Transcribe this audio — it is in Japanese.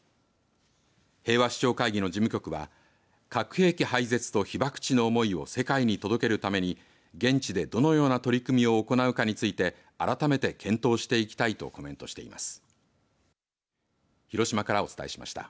平和首長会議の事務局は核兵器廃絶と被爆地の思いを世界に届けるために現地でどのような取り組みを行うかについて改めて検討していきたいとコメントしています。